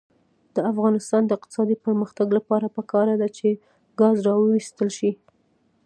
د افغانستان د اقتصادي پرمختګ لپاره پکار ده چې ګاز راوویستل شي.